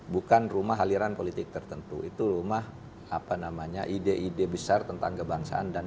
bukan rumah aliran politik tertentu itu rumah apa namanya ide ide besar tentang kebangsaan dan